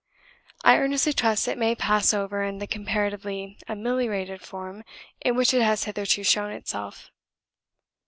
I earnestly trust it may pass over in the comparatively ameliorated form in which it has hitherto shown itself.